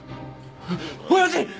親父！